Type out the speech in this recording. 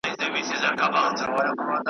بس دده ګناه همدا وه چي غویی وو .